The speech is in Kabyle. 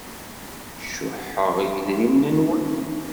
Cuḥet i yidrimen-nwen.